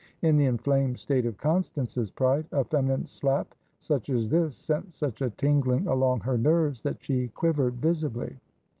In the inflamed state of Constance's pride, a feminine slap such as this sent such a tingling along her nerves that she quivered visibly.